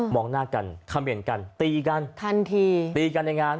องหน้ากันเขม่นกันตีกันทันทีตีกันในงาน